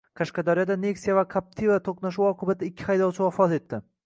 Qashqadaryoda Nexia va Captiva to‘qnashuvi oqibatida ikki haydovchi vafot etdi